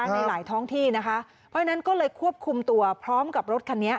ในหลายท้องที่นะคะเพราะฉะนั้นก็เลยควบคุมตัวพร้อมกับรถคันนี้